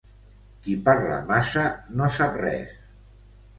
Qui parla massa no sap res.